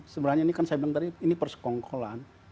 sebenarnya ini kan saya bilang tadi ini persekongkolan